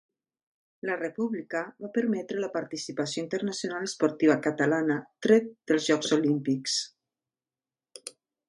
La República va permetre la participació internacional esportiva catalana, tret dels Jocs Olímpics.